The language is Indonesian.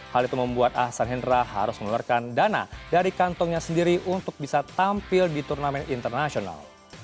hal itu membuat ahsan hendra harus mengeluarkan dana dari kantongnya sendiri untuk bisa tampil di turnamen internasional